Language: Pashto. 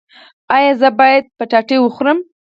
ایا زه باید کچالو وخورم؟